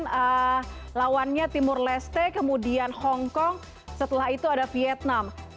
melawan lawannya timur leste kemudian hongkong setelah itu ada vietnam